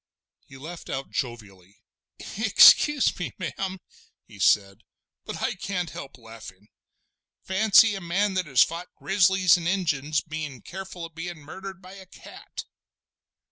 He laughed out jovially. "Excuse me, ma'am," he said, "but I can't help laughin'. Fancy a man that has fought grizzlies an' Injuns bein' careful of bein' murdered by a cat!"